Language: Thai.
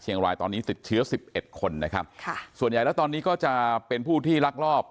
เชียงรายตอนนี้ติดเชื้อ๑๑คนนะครับส่วนใหญ่แล้วตอนนี้ก็จะเป็นผู้ที่ลากลอบ